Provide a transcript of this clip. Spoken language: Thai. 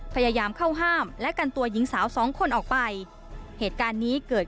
พยายามเข้าห้ามและกันตัวหญิงสาวสองคนออกไปเหตุการณ์นี้เกิด